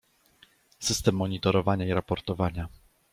System monitorowania i raportowania